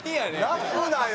泣くなよ